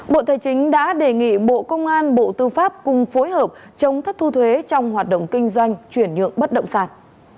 bộ tài chính đã đề nghị bộ công an bộ tư pháp cùng phối hợp chống thất thu thuế trong hoạt động kinh doanh chuyển nhượng bất động sản